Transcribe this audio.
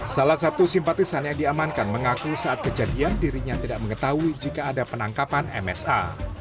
salah satu simpatisan yang diamankan mengaku saat kejadian dirinya tidak mengetahui jika ada penangkapan msa